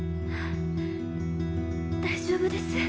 大丈夫です